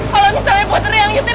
kalau misalnya putri yang nyetir